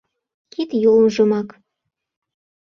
Кид-йолжымак!